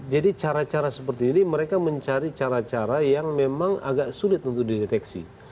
jadi cara cara seperti ini mereka mencari cara cara yang memang agak sulit untuk dideteksi